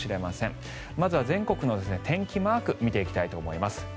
まずは全国の天気マーク見ていきたいと思います。